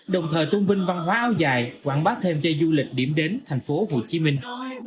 đồng thời tôn vinh văn hóa áo dài quảng bá thêm cho du lịch điểm đến thành phố hồ chí minh